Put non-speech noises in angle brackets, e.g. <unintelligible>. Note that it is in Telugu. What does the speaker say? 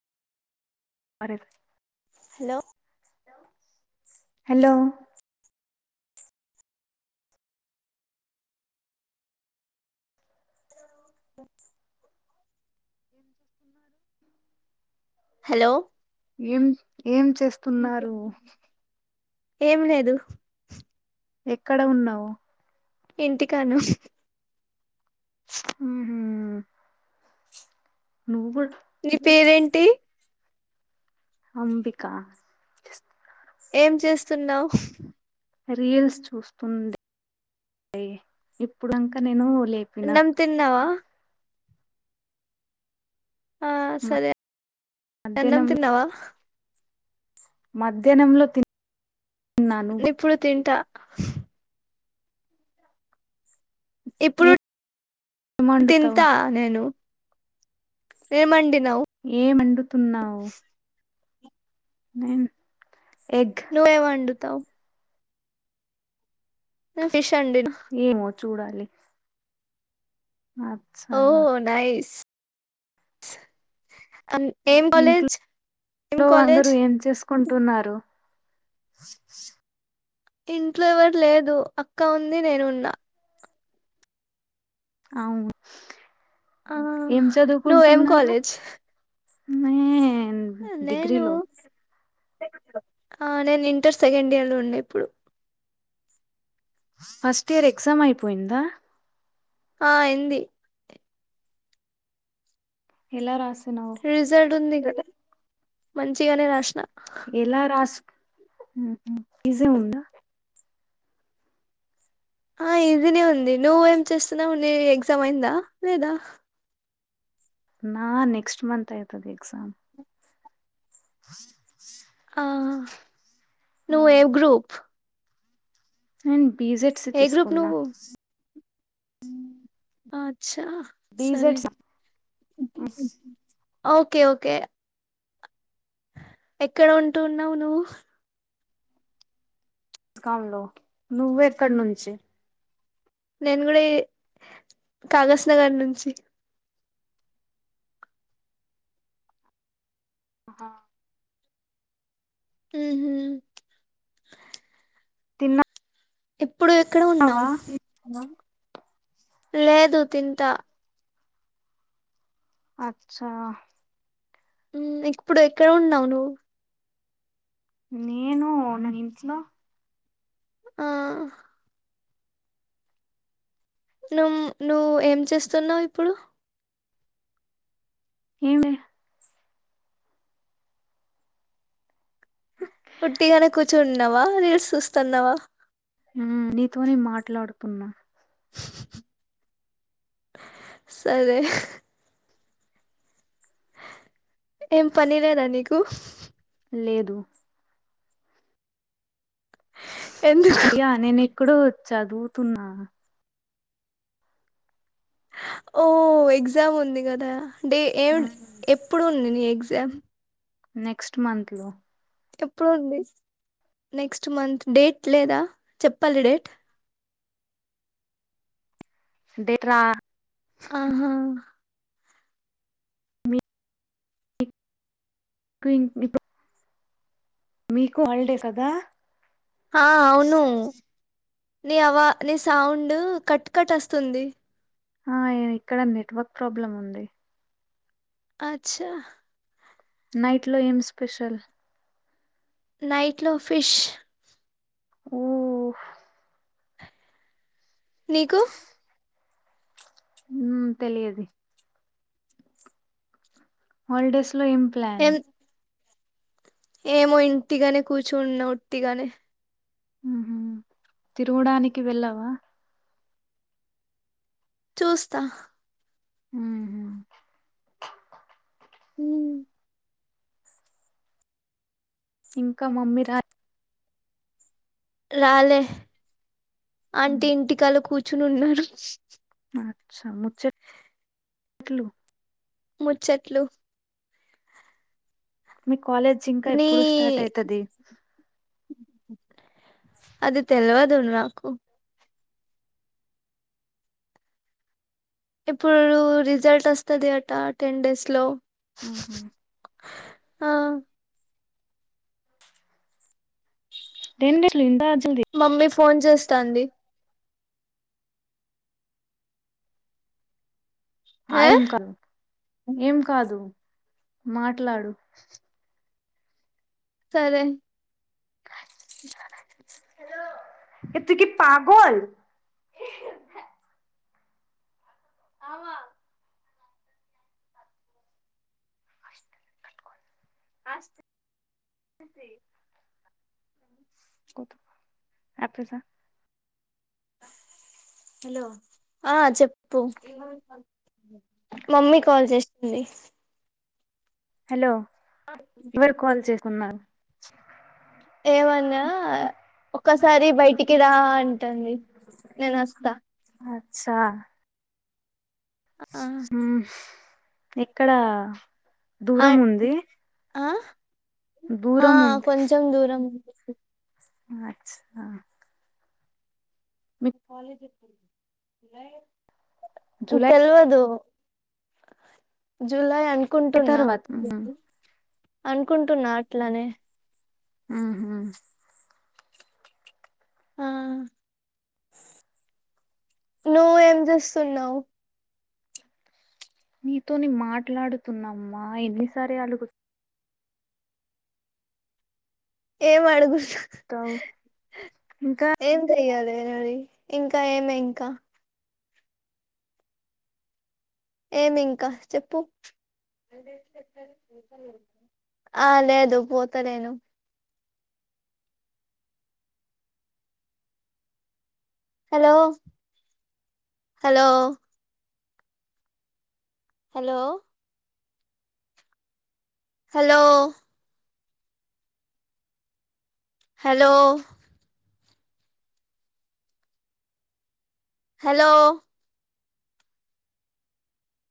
అరే హలో హలో స హలో ఏం ఏం చేస్తున్నారు? ఏం లేదు. ఎక్కడ ఉన్నవ్? ఇంటికాను ఉహు నువ్ గు నీ పేరేంటి అంబికా ఏం చేస్తున్నావ్ రీల్స్ చూస్తుండే ఏ ఇప్పుడు ఇంక నేను లేపిన అన్నం తిన్నవా? ఆ సరే. అన్నం మధ్యాహ్నం తిన్నవా? మధ్యాహ్నంలో తిన్ ఇప్పుడు తింటా ఇప్పుడు ఏం వండుతావు తింతా నేను ఏమండి ఏం అండుతున్నావ్ నేన్ నువ్ ఏ వండుతవ్ ఫిష్ అండినా ఏమో చూడాలి ఓ అచ్చా నైస్ ఆ న్ ఏం కాలజ్ ఇంట్లో ఎం కాలజ్ కుంటున్నారు ఇంట్లో ఎవరు లేదు, అక్క ఉంది నేనున్నా. అవును ఆ హ్మ్ ఏం నువ్వేం చదువుకుంటున్నారు కాలేజ్ హ్మ్ యే డిగ్రీ నేను లో ఆ నేను ఇంటర్ సెకండ్ ఇయర్ లో ఉండే ఇప్పుడు ఫస్ట్ ఇయర్ ఎగ్జామ్ అయిపోయిందా ఆ అయ్యింది ఎలా రాసావ్ రిజల్ట్ ఉంది కదా మంచిగానే రాసినా హ్మ్ ఈజీ ఉందా ఆ ఈజీనే ఉంది నువ్వు ఏం చేస్తున్నావు నీ ఎగ్జామ్ అయిందా లేదా నా నెక్స్ట్ మంత్ అయితాది ఎక్సామ్ <inaudible> ఆ నువ్వు ఏ గ్రూప్ నేను బీజెట్స్ ఏ గ్రూప్ తీసుకున్నా నువ్వు ఆ అచ్చ సరే బీజెట్స్ హ్మ్ ఓకే ఓకే ఎక్కడ ఉంటూన్నావు నువ్వు కంలో నువ్వు ఎక్కడ నుంచి నేను కూడా ఈ కాగస్ నగర్ నుంచి ఆ హ్మ్ హు తిన్నా ఇప్పుడు ఎక్కడ ఉన్నావు లేదు తింత అచ్చా హ్మ్ ఇప్పుడు ఎక్కడ ఉన్నావు నువ్వు నేను నా ఇంట్లో ఆ నుమ్ నువ్వు ఏం చేస్తున్నావు ఇప్పుడు ఏమ్ లే ఉట్టిగానే కూర్చున్నావా రీల్స్ చూస్తున్నావా హ్మ్ నీతోనే మాట్లాడుతున్నా హ్మ్ హు ఆ సరే హా ఏం పని లేదా నీకు లేదు ఎందుకు ప్రియ నేను ఎక్కడో చదువుతున్నా ఓ ఎగ్జామ్ ఉంది కదా డే ఏం ఎప్పుడుంది ఎగ్జామ్ నెక్స్ట్ మంత్ లో ఎప్పుడుంది నెక్స్ట్ మంత్ డేట్ లేదా చెప్పాలి డేట్ డేట రా ఆహా కు <unintelligible> మీకు హాలిడే కదా హా అవును నీ అవ్వ నీ సౌండు కట్ కట్ వస్తుంది ఆ ఇక్కడ నెట్వర్క్ ప్రాబ్లం ఉంది అచ్చా నైట్ లో ఏం స్పెషల్ నైట్ లో ఫిష్ ఓ ఓహ్ నీకు ఉమ్ తెలియది హాలిడేస్ లో ఏం ప్లాన్ ఏం ఏమో ఇంటిగానే కూర్చున్న ఒట్టిగానే అహ తిరుగడానికి వెళ్ళావా? చూస్తా ఉహు ఉ ఇంక మమ్మీ రా రాలే ఆంటీ ఇంటికల్ల కూర్చుని ఉన్నారు. అచ్చ మ ట్లు ముచ్చట్లు మీ కాలేజ్ ఇంకా నీ ఎప్పుడు స్టార్ట్ అయితది. అది తెల్వదు నాకు ఇప్పుడు రిజల్ట్ వస్తది అట టెన్ డేస్ లో ఆహ ఆ రెండిట్లిందాన్ మమ్మీ ఫోన్ చేస్తాంది. హే ఐమ్ కమ్ ఏం కాదు మాట్లాడు సరే <inaudible> లో ఏ తుకి పాగొల్ ఆమ <unintelligible> కొద్ యపిసా హలో ఆ చెప్పు మమ్మీ కాల్ చేస్తుంది. హలో ఆ ఎవరు కాల్ చేసున్నారు? ఏవన్నా ఒక్కసారి బయటికి రా అంటంది. నేను ఒస్త ఛ ఆ హుమ్ ఎక్కడ ఆ దూరం ఉంది. ఆ ఆ దూరం కొంచెం దూరం అ ఎగ్స్ నాక్ జూలై తెల్వదు జులై అనుకుంటున్నా. తర్వాత అనుకుంటున్నా అట్లనే ఉహు ఆ స్ నువ్ ఏం చేస్తున్నావు? నీతోని మాట్లాడుతున్నమ్మా ఎన్నిసారి అలుగు ఏమడుగు తావ్ ఇంకా చెయాలె నడి ఇంకా ఏమి ఇంకా ఏమింకా చెప్పు ఆ లేదు పోతలేను. Hello hello hello hello hello hello